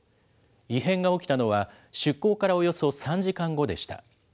異変が起きたのは、出港からおよそ３時間後でした。